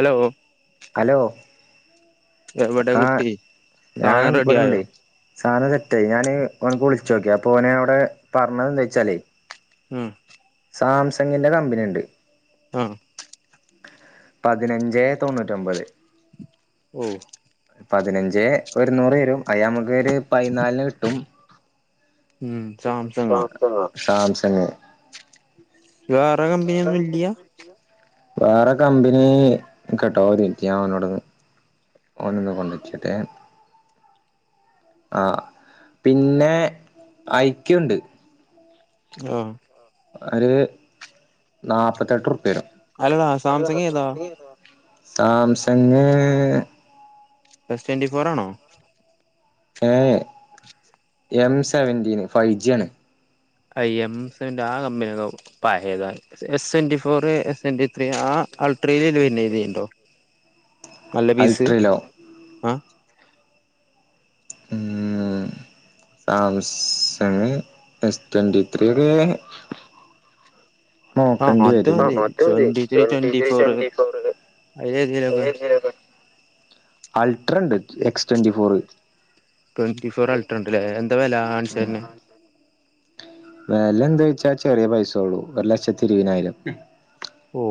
Hello hello എവിടെ ആ കുട്ടി സാധനം റെഡി ആയോ ത്തേ ഞാന് ഓന്ക്ക് വിളിച്ചോക്കി അപ്പൊ ഓന് അവിടെ പറഞ്ഞത് എന്താ വെച്ചാലേ ഉം സാംസങ്ങിന്റെ കമ്പനി ഇണ്ട് ആഹ് പതിനഞ്ചേ തൊണ്ണൂറ്റൊമ്പത് ഓ പതിനഞ്ച് ഒരു നൂറ് വരും അയായമ ര് പതിനാലിന് കിട്ടും ഉം സാംസങ്ങാ സാംസങ് വേറെ കമ്പനിയൊന്നും ഇല്ലയ വേറെ കമ്പനി കേട്ടോ ഒരു മിനുട്സ് ഞ അവനോടൊന്നു ഓനന്ന് ചോദിച്ചോട്ടെ ആ പിന്നെ ഐക്യുണ്ട് ആ ഒര് നാപത്തെട്ട് വരും അല്ലടാ സാംസങ് ഏതാ സാം ചങ്ങ ബസ് ട്വൻണ്ടി ഫോർ ആണോ ഏ എം സെവന്റീന് ഫൈവ് ജി ആണ് ഐ എംന്റെ ആ കമ്പന പത S twenty four A twenty three ആ ട്രലൽ പിന്നെ ഇതണ്ടോ നല്ല പീസ് അൾട്രലോ ആഏ സാംസമി എസ് ട്വൻറ്റി ത്രീ ആഹ് നോക്കണ്ട അത് വരും മതി twenty three twenty four twenty four അതിലേതേലൊക്കെ അൾട്രാ ഉണ്ട് എക്സ് ട്വൻറിഫോറ് ട്വന്റി ഫോർ അൾട്രണ്ട്ല്ലേ എന്താ വില ആൻസണിനു വെലന്താച്ചാ കുറച്ചേയുള്ളു ഒരു ലക്ഷത്തി ഇരുപതിനായിരം. ഓ.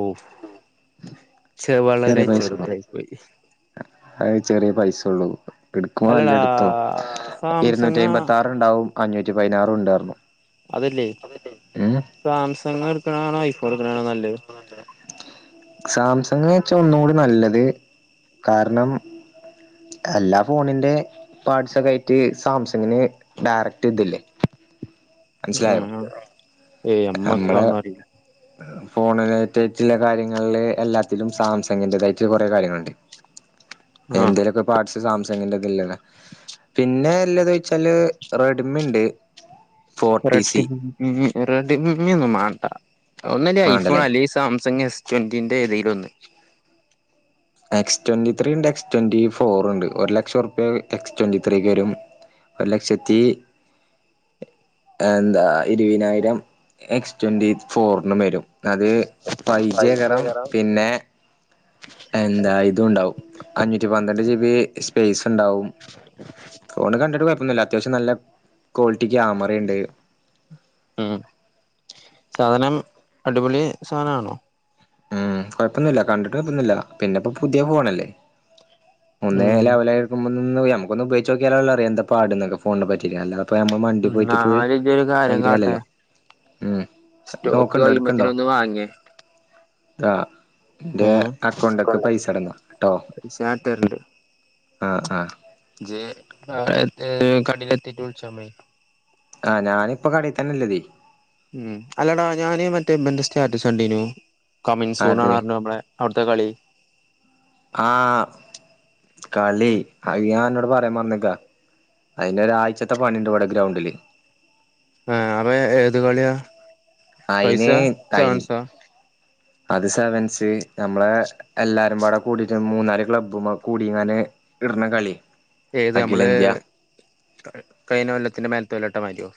ചെ വളരെ ചെറുതായി പോയി. ഐനു ചെറിയ പൈസ ഉള്ളൂ. ഇടുക്കുമ്പോ നല്ലാ അല്ലടാ ഇടുത്തോ. സാംസങ്ങാ അഞ്ഞുട്ടി പതിനാറുണ്ടായിരുന്നു. അതില്ലേ, സംസാങ് എടുക്കുന്നതാന്നോ ഐഫോൺ എടുക്കുന്നതാണോ നല്ലത്. സാംസങ് എന്ന് വെച്ചാ ഒന്നുകൂടി നല്ലത്. കാരണം എല്ലാ ഫോണിന്റെ പാർട്സ് ഒക്കെ ആയിട്ട് സാംസങ്ങിനെ ഡയറക്ട് ഇതില്ലേ ആ മനസ്സിലായോ ആ ഏയ് നമ്മക്ക് അതൊന്നും അറിയില്ല.. ഫോണിനകത്തു വെച്ചല്ലേ കാര്യങ്ങൾ ഞങ്ങളെ എല്ലാം ചില സാംസങ്ങിന്റെ തായി കുറെ കാര്യങ്ങൾ ഇണ്ടേ. ആ എന്തേലൊക്കെ പാർട്സ്.. സാംസങ്ങിന്റെ [unintelligible] പിന്നെ ല്ലത് വെച്ചാല് റെഡ്മി ഉണ്ട് ഫോർട്ടി സി റെഡിമി റെഡിമി മീൻ ഒന്നും മാണ്ട ഒന്നലി ഐഫോണ് വേണ്ടല്ലേ അല്ലെങ്കിൽ സാംസങ് എസ് ട്വന്റി ഏ രുന്ന് എക്സ് ട്വന്റി ത്രീ ഉണ്ട് എക്സ് ട്വന്റി ഫോറ് ഉണ്ട് ഒരു ലക്ഷം റുപിയ എക്സ് ട്വന്റി ത്രീ വരും ഒരു ലക്ഷത്തി എന്താ ഇരുപതിനായിരം എക്സ് ട്വന്റി ഫോറിനും വരും അത് ഫൈവ് ജി ആയ്കരം പിന്നെ എന്താ ഇതും ഉണ്ടാവും. അഞ്ഞൂറ്റി പന്ത്രണ്ട് ജിബി ഇസ് [inaudible] ഇണ്ടാകും. ഫോണിൽ കണ്ടിട്ട് വെർ ഒന്നുല്ല അത്യാവശ്യം നല്ല ക്വാളിറ്റി ക്യാമറണ്ട് മ് സാധനം അടിപൊളി സാധനണോ? മ് കൊഴപ്പൊന്നുല്ല കണ്ടിട്ട് കൊഴപ്പൊന്നുല്ല പിന്നെപ്പൊ പുതിയ ഫോണല്ലേ? ഒന്നേങ്ങനെ ഉം ലെവലായിക്കുമ്പോ മ് ന്ന് നമ്മക്കൊന്ന് ഉപയോഗിച്ചോക്യാലല്ലേ അറിയ എന്താപാട്ന്നെല്ലാം ഫോണിനെ പറ്റിട്ട് അല്ലാ ന്നാല് ഇജ്ജൊരു കാര്യം കാട്ടെ കാര്യല്ലല്ലോ ഉം സ്റ്റോക്ക് നോക്കണ്ടോ കയ്യുമ്പത്തിന് ഒന്ന് വാങ്യെ ആഹ് ന്റെ അക്കൗണ്ട്ക്ക് പൈസ ഇട്ന്നാ ട്ടോ. ഞാൻ ഇട്ടരണ്ട് ആ ആ അ കടിലെത്തിട്ട് വിളിച്ചമ്മേ ആഹ് ഞാനിപ്പോ കടയിത്തന്നെ ഇള്ളതേ. ഉം അല്ലടാ ഞാന് മറ്റേ ഇവന്റെ സ്റ്റാറ്റസ് കണ്ടീനു കമിൻ ആരത് സൂണാണറിഞ്ഞു നമ്മടെ അവിടുത്തെ കളി ആഹ് കളി അ ഞാൻ അന്നോട് പറയാൻ പറന്നേക്കാ അതിന്റെ ഒരാഴ്ചത്തെ പണിണ്ട് ഇവടെ ഗ്രൗണ്ടില് ആഹ് അവ ഏത് കളിയാ അയിന് ഫൈവ്സാ തൈ സെവൻസാ അത് സെവൻസ് നമ്മളെ എല്ലാരുമ്പാടെ കൂടീട്ട് മൂന്നാല് ക്ലബ്ബും കൂടി ഇങ്ങനെ ഇടണ കളി ഏത് നമ്മള് അഖിലേന്ത്യ ഏഹ് കഴിഞ്ഞ കൊല്ലത്തിന്റെ മേ തൊലട്ട മാരിയാവു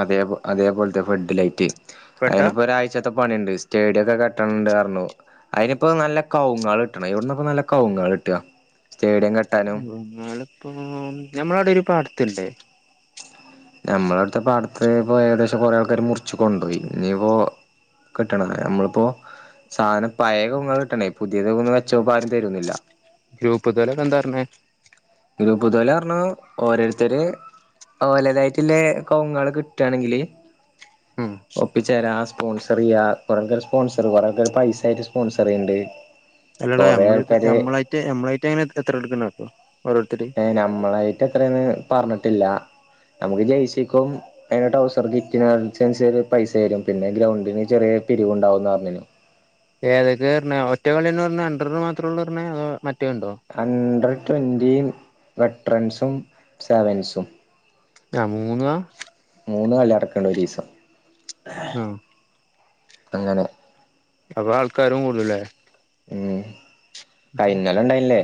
അതേ അതേപോൽത്തെ ഫെഡ് ലൈറ്റ് ഫെഡാ അതിനിപ്പോ ഒരാഴ്ചത്തെ പണി ഇണ്ട് സ്റ്റേഡിയം ഒക്കെ കെട്ടണ്ട്. [unintelligible] അതിനിപ്പോ നല്ല കവുങ്ങള് കിട്ടണ എവിടുന്നാ ഇപ്പോ നല്ല കവുങ്ങള് കിട്ടാ ഞങ്ങളിപ്പോ ഞമ്മളവിടെ ഒരു പാട ത്തിണ്ട്. നമ്മള അവിടുത്തെ പാടത്തെ ഇപ്പൊ ഏകദേശം കൊറെേ ആൾക്കാര് മുറിച്ചു കൊണ്ടോയി ഇനിയിപ്പോ കിട്ടണ നമ്മളിപ്പോ സാധനം പയ കവുങ്ങള് കിട്ടണ്ടേ പുതിയ കവുങ്ങ് വെച്ച പകരം ആരും തെരോന്നും ഇല്ല ഗ്രൂപ്പിൽത്തോലൊക്കെ എന്താ പറഞ്ഞേ പൊതുവിലെ പറഞ്ഞു ഓരോരുത്തര് ഓലതായിട്ടിള്ള കൊവുങ്ങള് കിട്ടാണെങ്കില് ഉം ഒപ്പിച്ചെരാ സ്പോൺസറീയ്യാ കൊറെ ആൾക്കാര് സ്പോൺസർമാരൊക്കെ പൈസ ആയിട്ട് സ്പോൺസറെയ്യിണ്ട്. അല്ലടാ ഞമ്മള് ഞമ്മളായിട്ട് ഞമ്മളായിട്ട് അങ്ങനെ എത്ര എടുക്കണേ അറിയോ ഏ നമ്മളായിട്ട് എത്രയാന്ന് പറഞ്ഞിട്ടില്ല നമുക്ക് ജെയ്‌സിക്കും [unintelligible] ടൗസർ [unintelligible] പൈസ തരും പിന്നെ ഗ്രൗണ്ടിന് ചെറിയ പിരിവുണ്ടാവുന്ന് പറഞ്ഞിനു. ഏതൊക്കെയാ പറഞ്ഞേ ഒറ്റ കളിന്ന് പറഞ്ഞേ അണ്ടർല് മാത്രുള്ളൂ പറഞ്ഞേ അതോ മറ്റ് അണ്ടർ ട്വൻറ്റീയും വെട്രൻസും സെവൻസും ഞാ മൂന്നാ മൂന്ന് കളി നടക്ക്ണ്ട് ഒരീസം ആഹ് അങ്ങനെ അപ്പൊ ആൾക്കാരും കൂടുല്ലേ ഉം കയിഞ്ഞൊല്ലം ഉണ്ടായില്ലേ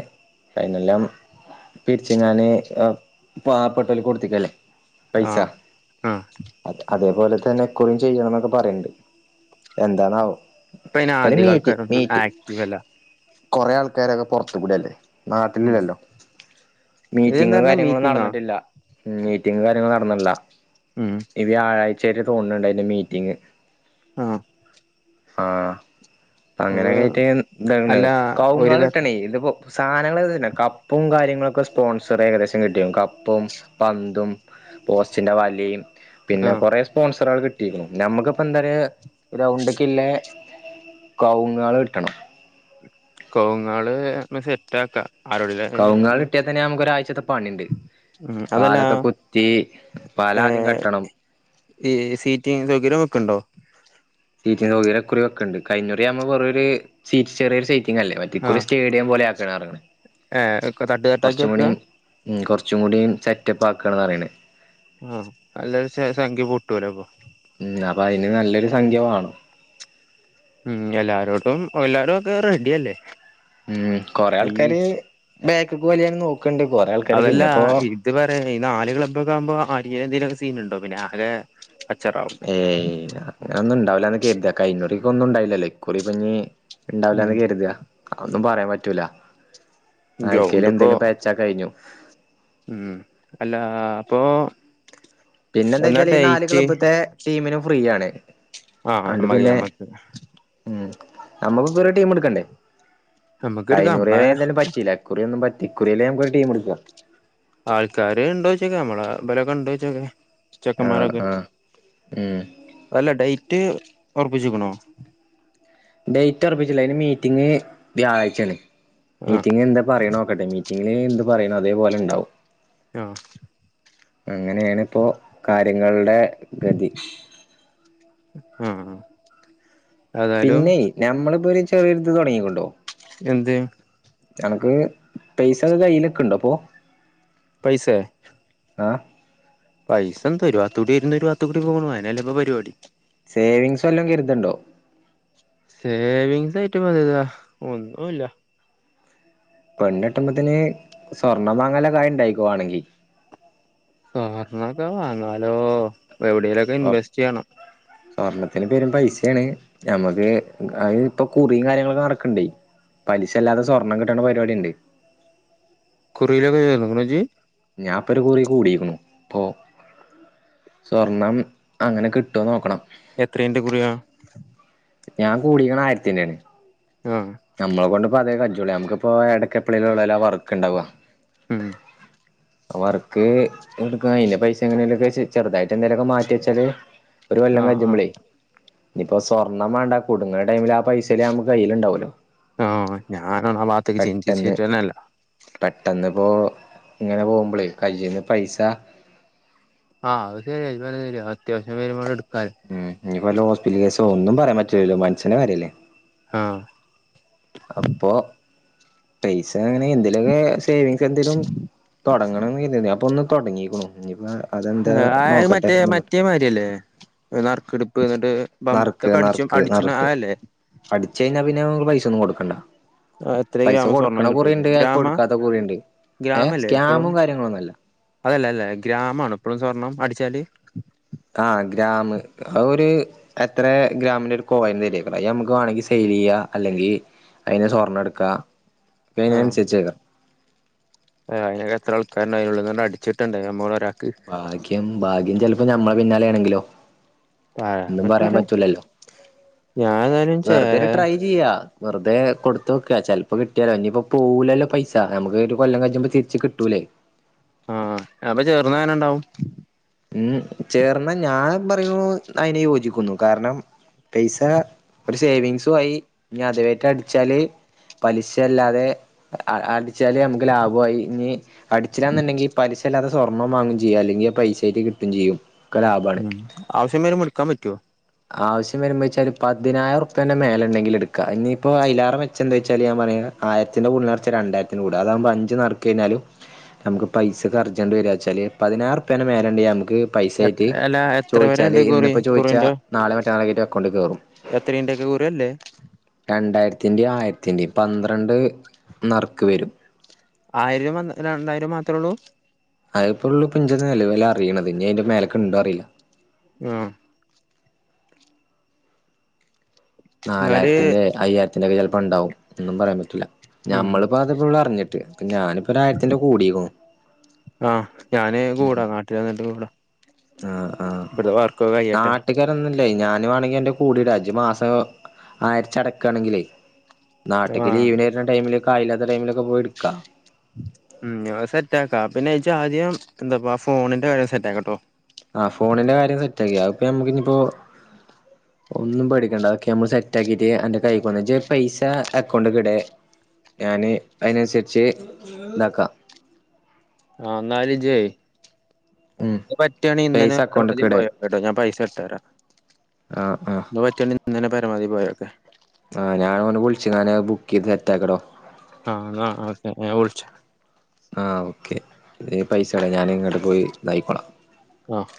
കയിഞ്ഞൊല്ലം പിരിച്ചുങ്ങാന് ഏഹ് പാവപ്പെട്ടോൽക്ക് കൊടുത്തിക്കല്ലേ പൈസ ആഹ് ആഹ് അ അതേപോലെ അതന്നെ ഇക്കുറിയും ചെയ്യണം എന്നൊക്കെ പറയിണ്ട് എന്താന്നാവോ? ഇപ്പ അയിന് അധിക ആൾക്കാരൊന്നും ആക് വല്ല കുറെേ ആൾക്കാരൊക്കെ പുറത്തു കൂടല്ലേ.. ഉം നാട്ടിലില്ലല്ലോ ഇതെന്താ മീറ്റിങ്ങും പറഞ്ഞെ കാര്യങ്ങളും മീറ്റിങ്ങോ നടന്നിട്ടില്ല മീറ്റിങ്ങും കാര്യങ്ങളും നടന്നില്ല ഉം ഇവി ആയി ചെറിയ തോന്നുന്നുണ്ട് അതിന്റെ മീറ്റിംഗ് ആ.. ആ അങ്ങനെ കയറ്റിയ എന്താ അല്ല കാവുങ്ങാ ഒരു ത ഇടണേ ഇതിപ്പോ സാധനങ്ങൾ ഇതുതന്നെ. കപ്പും കാര്യങ്ങളൊക്കെ സ്പോൺസർ ഏകദേശം കിട്ടിയും കപ്പും പന്തും പോസ്റ്റിൻന്റെറെ വളിയും പിന്നെ ആഹ് കുറെ സ്പോൺസറുകൾ കിട്ടി കിട്ടിയിരുന്നു നമ്മുക്കുക്കിപോ എന്തര് ഗ്രൗണ്ട് പിന്നെ കവുങ്ങകിട്ടണം കവുങ്ങക്കൾ സെറ്റ് ആക്കാം കവുങ്ങൾ കിട്ടിയാൽ തന്നെ നമുക്ക് ഒരാഴ്ചത്തെ പണിണ്ട് ഉം അതല്ല കാലൊക്കെ കുത്തി പല ആദ്യം ഏഹ് കെട്ടണം ഈ സീറ്റിങ് സൗകര്യം ഒക്കെണ്ടോ സീറ്റിങ് സാകാര്യം ഈ കുറി വെക്കും ഉണ്ട്. കഴിഞ്ഞാ കൂറി നമ്മൾ ചെറിയ ഒരു സീറ്റ് ചെറിയൊ സ ല്ലേ മറ്റേ സ്റ്റഡിയം പോലെ ഞാനാണ് ഏ തട്ടു തട്ടാക്കി വെക്കുക ഉം കുറച്ചും കൂടി സെറ്റപ്പ് ആക്കണന്ന് പറയണേ ആഹ നല്ലുംഒരു സംഖ്യ പൊട്ടുലോ അപ്പൊ ഉം അപ്പൊ അതിന് നല്ലൊരു സംഖ്യ ആണോ ഉം എല്ലാരോട്ടും എല്ലാരും ഒക്കെ റെഡി അല്ലേ ഉം കൊറെ ആൾക്കാര് ബാക്ക് ക്ക് വലിയാനും നോക്കണ്ട് കൊറെ ആൾക്കാര് അതല്ല പിന്നെപ്പോ ഇത് പറയാ സീൻ ഉണ്ടോ പിന്നെ ആകെ കച്ചറാവും ഏയ്.... അങ്ങനെന്നും ഉണ്ടാവല്ലാ കരുതാ കഴിഞ്ഞാക്കുറിക് ഒന്നും ഉണ്ടായിഇല്ലാലോ ഈ ക്കൂറി ഇനി ഉണ്ടാവില്ല ഉം എന്ന് കരുത്താ ആ ഒന്നും പറയാൻ പറ്റൂലാ ഗ്രൗണ്ട് ആയിക്കഴിഞ്ഞൽ ഇപ്പോ എന്തേലും പേച്ചാ കഴിഞ്ഞു ഉം അല്ലാ... അപ്പൊ പിന്നെ എന്താ എന്നാ വെച്ചാൽ ഈ നാല് ഡേറ്റ് ക്ലബ്ബത്തെ ടീമിന് ഫ്രീ ആാണ് ആ... അമ്മതി അമ്മക്ക് ഉം നമ്മുക്ക് കുറ ടീം എടുക്കാട്ടെ നമ്മക്ക് എടുക്കാം കഴിഞ്ഞാക്കുറി നമ്മളെ എന്താലും പറ്റില്ല ഈ ക്കുറി ഒന്നും പറ്റ ഇക്കുറിയല്ലേ നമുക്കൊരു ടീമെടുക്ക ആൾക്കാര് ഇണ്ടോച്ചോക്കെ നമ്മളെ ബലൊക്കെ ഇണ്ടോച്ചോക്കെ ആഹ് ചെക്കന്മാരൊക്കെ ആഹ് ഉം അല്ല ഡൈറ്റ് ഒർപ്പിച്ച്ക്ക്ണോ ഡേറ്റ് ഒറപ്പിച്ചില്ല അതിന് മീറ്റിംഗ് വ്യാഴാഴ്ചയാണ്. ആഹ് മീറ്റിംഗ് എന്താ പറയണോക്കട്ടെ മീറ്റി ഗില് എന്ത് പറയണു അതേപോലെ ഉണ്ടാവും. ആ അങ്ങനെയാണ് ഇപ്പോ കാര്യങ്ങളുടെ ഗതി ആഹ് ഏതായാലും പിന്നെ ഞമ്മളിപ്പോ ഒരു ചെറിയൊരിത് തൊടങ്ങീക്ക്ണ്ട്ട്ടൊ എന്ത് അനക്ക് പൈസ കയ്യിലെക്ക്ണ്ടോ ഇപ്പൊ പൈസെ ആ പൈസ എന്താ ഒരുവാത്ത് കൂടി വരുണ് ഒരുവാത്ത് കൂടി പോണു അനെല്ലെപ്പം പരിപാടി. സേവിങ്സ് വല്ലോം കരുത്ണ്ടോ സേവിങ്സ് ആയിട്ട് [unintelligible] ഒന്നുംല്ല പെണ്ണെട്ടുമ്പോത്തിന് സ്വർണ്ണം വാങ്ങാള്ള കായിണ്ടാക്കിക്കോ വാണെങ്കി സ്വർണ്ണൊക്കെ വാങ്ങ ഹലോ എവിടേലൊക്കെ ഇൻവെസ്റ്റ് ചെയ്യണം. ത്തിന് പെരും പൈസയാണ് നമ്മക്ക് അത് ഇപ്പൊ കുറിയും കാര്യങ്ങളൊക്കെ നടക്ക്ണ്ടേ പലിശ ഇല്ലാതെ സ്വർണം കിട്ടണ പരിപാടിണ്ട് കുറിയിലൊക്കെ ചേർന്ന്ക്കണോ ഇജ്ജ് ഞാൻ ഇപ്പം ഒരു കുറി കൂടീക്ക്ണു ഇപ്പൊ സ്വർണം അങ്ങനെ കിട്ടോന്ന് നോക്കണം. എത്രീന്റെ കുറിയാ? ഞാൻ കൂടിക്കണ ആയിരത്തിന്റെണ് ആഹ് നമ്മളെ കൊണ്ട് ഇപ്പം അതേ കജ്ജോള്ളു നമുക്കിപ്പോ എടക്കപ്പളേലും ഒള്ളോലോ ആ വർക്ക്ണ്ടാവ ആ വർക്ക് എടുക്ക അയ്ന്റെ പൈസ എങ്ങനേലൊക്കെ ചെറുതായിട്ട് എന്തെലൊക്കെ മാറ്റി വെച്ചാല് ഒരു കൊല്ലം ആഹ് ആഹ് കജ്ജുമ്പളെ ഇപ്പൊ സ്വ ണം വേണ്ട കുടുങ്ങണ ടൈമില് ആ പൈസേലും നമ്മക്ക് കയ്യിലുണ്ടാവോലോ ആ ഞാനാണ് ആ ഭാത്ത്ക്ക് ചിന്തിച്ചിട്ടെന്നെല്ല പോ ഇങ്ങനെ പോകുമ്പളെ കൈയ്യിന്ന് പൈസ ആ അതൊക്കെ [unintelligible] അത്യാവശ്യം വരുമ്പ എടു ഉം ഇനി വല്ല ഹോസ്പിറ്റൽ കേസൊ ഒന്നും പറയാൻ പറ്റൂലല്ലോ മനുഷ്യന്റെ കാര്യല്ലേ ആഹ്‌ [unintelligible] എനിക്കാണെങ്കി എന്തെലുവോക്കെ സേവിങ്സ് എന്തേലും തൊടങ്ങണോന്ന് എന്ന് കരുതി ഞാൻ അപ്പോ ഒ തൊട്ങ്ങിക്കുണു ഞ്ഞിപ്പം അ മറ്റേ മറ്റേ മാരിയല്ലേ നർ ബ്ൺ നർക്ക് നർക്ക് നർക്ക് അട്ച്ചേഞ്ഞാ പിന്നെ പൈസൊന്നും കൊട് അല്ല അ ത്രീയാവുമ്പൊ സ്വർണ്ണം കിട്ടും ഗ്രാമാ കൊടുക്കാത്ത കുറിണ്ട് ഏ ഗ്രാമല്ലേ പ്പളും സ്കാമും കാര്യങ്ങളൊന്നുല്ല അതല്ലല്ലേ ഗ്രാമാണോ പ്പളും സ്വർണ്ണം അടിച്ചാൽ ആ ഗ്രാം അതൊരു എത്രേ ഗ്രാമിന്റൊരു കോയിൻ തരോയ് അത് നമ്മക്ക് വാണങ്കി സേവയ്യാ അല്ലെങ്കി അയ്ന് സ്വർണ്ണം ട്ക്കാ ല്ലേൻ അൻസര്ച്ച് അയ്നൊക്കെ എത്രാൾക്കാര്ണ്ട് അയ്ന്റുള്ളന്നാണ്ട് അട്ച്ച് കിട്ടണ്ടേ അമ്മളൊര് ഭാഗ്യം ഭാഗ്യം ചെൽ നമ്മളെ പിന്നാലേണങ്കിലോ ഒന്നും പറയാൻ പറ്റൂലല്ലോ ഞാൻ ഏതായാലും ചേ വെർതൊരു ട്രൈ ചെയ്യാ വെർതേ കൊടത്തോക്കാ ചെൽപ്പം കിട്ട്യാലോ ഞ്ഞിപ്പം പോവൂലല്ലോ പൈസ ഞമ്മക്ക് ഒരു കൊല്ലം തിരിച്ച് കിട്ടൂലേ ആ അപ്പ ചേർന്നാങ്ങനണ്ടാവും മ് ചേർന്ന ഞാൻ പറയണു അയിന് യോജിക്കുന്നു. കാരണം പൈസ ഒരു സേവിങ്സു ആയി ഇനി അതവേറ്റ അടിച്ചാല് പലിശല്ലാതെ അ അ അടിച്ചാല് നമുക്ക് ലാബോയി, ഇനി അടിച്ചിലാന്നുണ്ടെങ്കിൽ പലിശ അല്ലാതെ സ്വർണ്ണം വാങ്ങും ചെയ്യാം അല്ലെങ്കിൽ ആ പൈസ [unintelligible] കിട്ടും ചെയ്യും. മ് ആവശ്യം വരുമ്പോ ഇട്ക്കാൻ പറ്റോ? ആവശ്യം വരുമ്പോ വെച്ചാല് പതിനായിരറുപ്യന്റെ മേലണ്ടെങ്കിലിടുക്ക. ഇനിപ്പോ അയിലേറെ മെച്ചം എന്തായ്ച്ചാല് ഞാൻ പറയാ ആയിരത്തിന്റെ ഉള്ളിലടച്ച രണ്ടായിരത്തിനൂട അതാകുമ്പ അഞ്ച് നറുകഴിഞ്ഞാലും നമുക്ക് പൈസക്ക് അർജന്റെ വരാച്ചാല് പതിനായിരറുപ്യന്റെ മേലെ ണ്ടിയാമുക്കെ ക്ക് പൈസായിട്ട് അല്ല എത്ര വരെ ചോയിച്ചാല് ഉണ്ട് കുറി ഇന്നിപ്പോ ചോയിച്ചാ നാളെ [inaudible] ആയിരം അക്കൗണ്ടിൽ കേറും എത്തരീന്റെക്കെ [unintelligible] തിന്റെ ആയിരത്തിന്റെ പന്ത്രണ്ട് നറുക്ക് വരും. ആയിരം രണ്ടായിരം മാത്രള്ളൂ? അയിപ്പോഴള്ളൂ പ്പൊ ഞ്ചേ നിലവില് അറീണത്. ഇനി അതിന്റെ മേലക്ക് ണ്ടോ അറീല. ആഹ് എന്നാല് നാലായിരത്തിന്റെ അയ്യായിരത്തിന്റെക്കെ ചെല പ്പോ ണ്ടാവും ഒന്നും പറയാൻ പറ്റില്ല. ഉം ഞമ്മളിപ്പോ അതിപ്പോവടെ അറിഞ്ഞിട്ട്. ഇപ്പൊ ഞാനിപ്പോ ഒരായിരത്തിന്റെ കൂടിക്കുണു ആഹ് ഞാന് ഉം കൂടാ നാട്ടി വന്നിട്ട് കൂടാ ആഹ് ഇവടത്തെ വർകൊക്കെ കയിയട്ടെ ട്ടെയ് ഞാന് വേണെങ്കി എന്റെ കൂടിടാ അജ്മാസം ആയിരച്ചടക്കാണെങ്കിലേ നാട്ടിക്ക്‌ ആഹ് ലീവ്ന് വര്ണ ടൈമില് കായിലാത്ത ടൈമിലൊക്കെ പോയി ഇടുക്കാ ഉം അത് സെറ്റാക്കാ പിന്നെ ഇജാദ്യം എന്താപ്പ ആ ഫോണിന്റെ കാര്യം സെറ്റാക്ക് ട്ടോ ആ ഫോണിന്റെ കാര്യം സെറ്റാക്കി അയിപ്പ ഞമ്മക്ക് ഇനിപ്പോ ഒന്നും പേടിക്കണ്ട അതൊക്കെ ഞമ്മള് സെറ്റാക്കിട്ട് അന്റെ കൈകൊണ്ടെച് ഇജ്പൈസ അക്കൗണ്ട്ക്ക്‌ട് ഞാന് അതിനനുസരിച്ച് ഇതാക്കാം ആഹ് ന്നാലിജേ ഉം ഇക്ക്‌ പറ്റെണി ഇന്നെനെ പൈസ പരമാവധി അക്കൗണ്ട്ക്ക് ഇടെ പോയൊകെട്ടോ ഞാൻ പൈസ ഇട്ടരാ ആഹ് ആഹ് ഇപ്പ പറ്റെണങ്കി ഇന്നനെപരമാവധി പോയോക്കെ ആഹ് ഞാനോനെ വിളിച്ച് ഞാന് ബുക്കെയ്ത് സെറ്റക്കടോ ആഹ് ആ ഓക്കെ ഞാൻ വിളിച്ച പൈസടാം ഞാനിങ്ങട്ട് പോയി തായ്കൊളാം ആഹ്